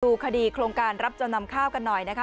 ดูคดีโครงการรับจำนำข้าวกันหน่อยนะคะ